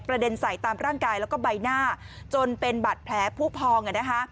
เด็นใส่ตามร่างกายแล้วก็ใบหน้าจนเป็นบัตรแผลผู้พอง